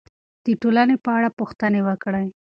د ټولنې په اړه پوښتنې وکړئ.